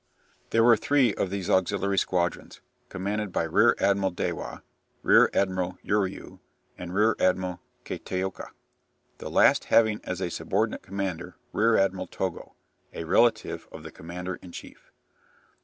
There were three of these auxiliary squadrons, commanded by Rear Admiral Dewa, Rear Admiral Uriu, and Rear Admiral Kataoka, the last having as a subordinate commander Rear Admiral Togo, a relative of the commander in chief.